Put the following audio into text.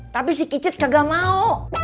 tapi si kicit kagak mau